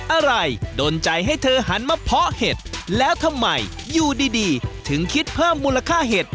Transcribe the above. อะไรโดนใจให้เธอหันมาเพาะเห็ดแล้วทำไมอยู่ดีถึงคิดเพิ่มมูลค่าเห็ด